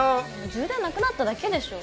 充電なくなっただけでしょ。